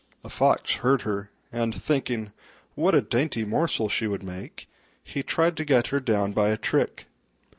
A Fox heard her, and, thinking what a dainty morsel she would make, he tried to get her down by a trick.